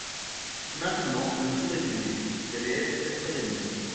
Maintenant, le jour était né, il allait être quatre heures et demie.